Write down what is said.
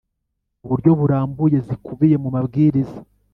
Mu buryo burambuye zikubiye mu mabwiriza